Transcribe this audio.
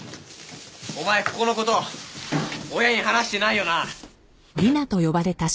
お前ここの事親に話してないよな？